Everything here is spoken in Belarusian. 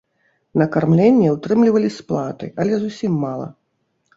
На кармленне ўтрымлівалі з платы, але зусім мала.